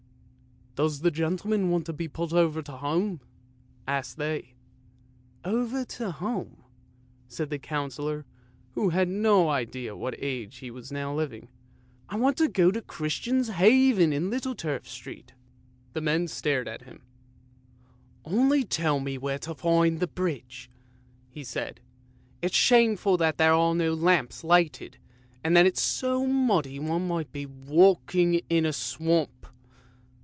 "Does the gentleman want to be put over to Holm?" asked they. " Over to Holm? " said the Councillor, who had no idea in what Age he was now living. " I want to go to Christian's Haven in Little Turf Street." 312 ANDERSEN'S FAIRY TALES The men stared at him. " Only tell me where to find the bridge," he said. " It's shameful that there are no lamps lighted, and then it's so muddy one might be walking in a swamp."